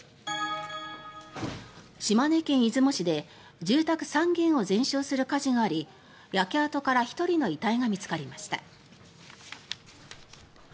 島根県出雲市で住宅３軒を全焼する火事があり焼け跡から１人の遺体が見つかりました。